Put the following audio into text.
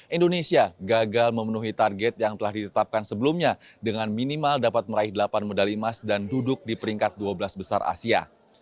indonesia gagal memenuhi target yang telah ditetapkan sebelumnya dengan minimal dapat meraih delapan medali emas dan duduk di peringkat dua belas besar asia